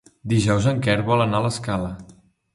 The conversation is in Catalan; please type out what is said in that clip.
Dijous en Quer vol anar a l'Escala.